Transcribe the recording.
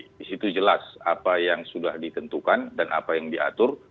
di situ jelas apa yang sudah ditentukan dan apa yang diatur